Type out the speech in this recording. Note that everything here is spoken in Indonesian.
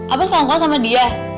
apa setongkol sama dia